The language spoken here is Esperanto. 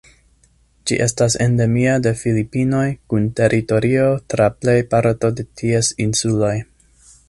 Ĝi estas endemia de Filipinoj, kun teritorio tra plej parto de ties insuloj.